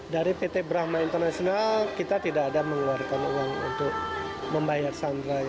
dari pt brahma international kita tidak ada mengeluarkan uang untuk membayar sandra